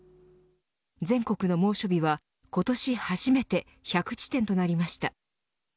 全国の猛暑日は今年初めて１００地点となりました。